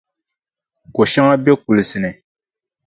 Koʼ shɛŋa be kulisi ni.